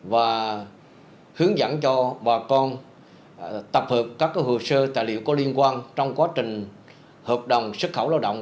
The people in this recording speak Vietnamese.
và hướng dẫn cho bà con tập hợp các hồ sơ tài liệu có liên quan trong quá trình hợp đồng xuất khẩu lao động